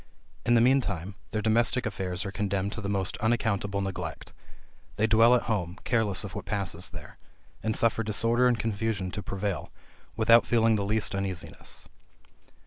In the mean time, their domestic affairs are condemned to the most unaccountable neglect. They dwell at home, careless of what passes there; and suffer disorder and confusion to prevail, without feeling the least uneasiness.